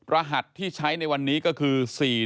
รหัสที่ใช้ในวันนี้ก็คือ